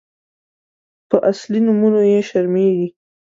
_په اصلي نومونو يې شرمېږي.